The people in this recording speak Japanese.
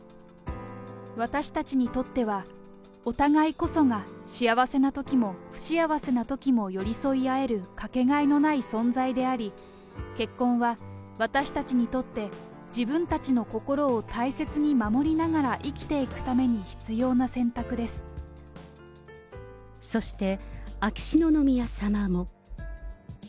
私たちにとっては、お互いこそが幸せなときも、不幸せなときも寄り添い合える掛けがえのない存在であり、結婚は私たちにとって自分たちの心を大切に守りながら生きていくそして、秋篠宮さまも。